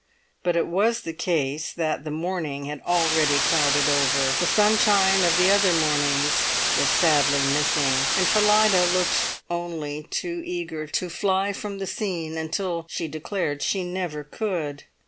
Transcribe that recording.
But it was the case that the morning had already clouded over; the sunshine of the other mornings was sadly missing; and Phillida looked only too eager to fly from the scene, until she declared she never could.